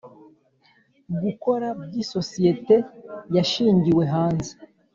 Gukora by isosiyete yashingiwe hanze